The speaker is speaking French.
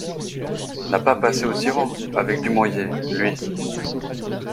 N'a pas passé aux tyrans, avec Dumouriez, lui!